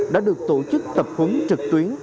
đã được tổ chức tập huấn trực tuyến